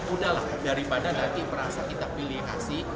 udahlah daripada nanti merasa kita pilih kasih